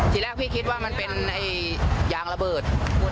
ทีแรกพี่คิดว่ามันเป็นยางระเบิด